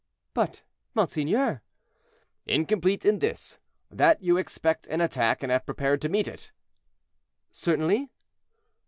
"But, monseigneur—" "Incomplete in this, that you expect an attack, and have prepared to meet it." "Certainly."